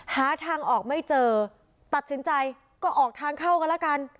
หาทางออกไม่เจอตัดสินใจก็ออกทางเข้ากันแล้วกัน